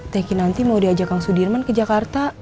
teh kinanti mau diajak kang sudirman ke jakarta